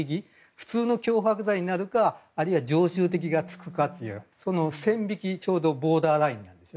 普通の脅迫罪になるかあるいは常習的になるかその線引き、ちょうどボーダーラインなんです。